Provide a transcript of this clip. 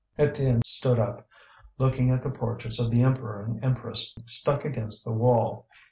Étienne stood up, looking at the portraits of the Emperor and Empress stuck against the wall.